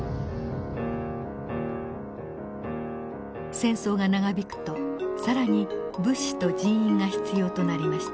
戦争が長引くと更に物資と人員が必要となりました。